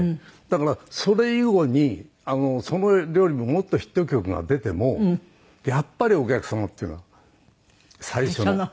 だからそれ以後にそれよりももっとヒット曲が出てもやっぱりお客様っていうのは最初の。